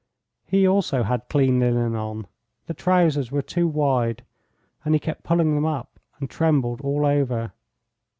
He also had clean linen on, the trousers were too wide, and he kept pulling them up and trembled all over.